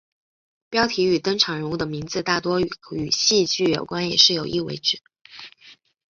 标题与登场人物的名字大多跟戏剧有关也是有意为之。